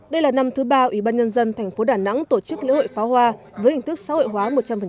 đây là năm thứ ba ủy ban nhân dân thành phố đà nẵng tổ chức lễ hội pháo hoa với hình thức xã hội hóa một trăm linh